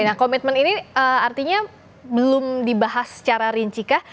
oke nah komitmen ini artinya belum dibahas secara rincikah